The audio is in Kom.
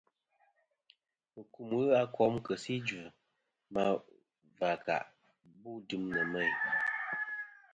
Mukum ghɨ a kom kɨ si idvɨ ma và kà bu dɨm nɨ̀ meyn.